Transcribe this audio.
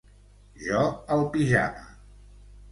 Jo, el pijama.